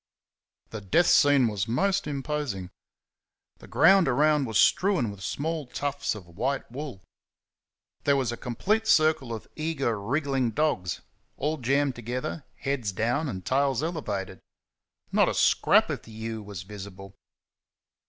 The death scene was most imposing. The ground around was strewn with small tufts of white wool. There was a complete circle of eager, wriggling dogs all jammed together, heads down, and tails elevated. Not a scrap of the ewe was visible.